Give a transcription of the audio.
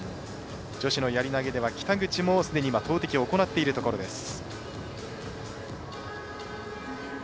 女子のやり投げでは、北口もすでに投てきを行っているところです。